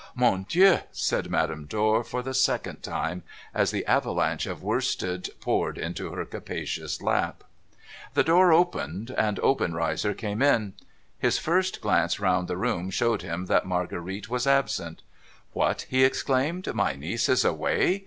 ' Mon Dieu !' said Madame Dor, for the second time, as the avalanche of worsted poured into her capacious lap. 522 NO THOROUGHFARE The door opened, and Obenreizer came in. His first glance round the room showed him that Marguerite was absent. 'What!' he exclaimed, 'my niece is away?